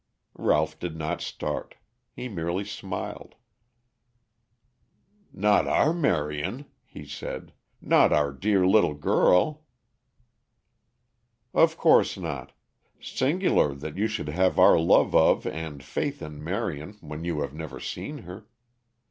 Ralph did not start. He merely smiled. "Not our Marion," he said. "Not our dear little girl." "Of course not. Singular that you should have our love of and faith in Marion when you have never seen her.